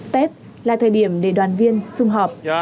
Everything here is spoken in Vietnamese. tết là thời điểm để đoàn viên xung họp